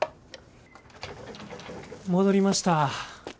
戻りました。